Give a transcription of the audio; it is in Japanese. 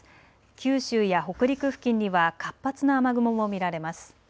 九州や北陸付近には活発な雨雲も見られます。